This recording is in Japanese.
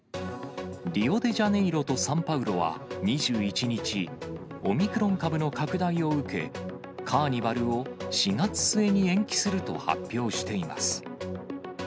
リオデジャネイロとサンパウロは２１日、オミクロン株の拡大を受け、カーニバルを４月末に延期すると発表しています。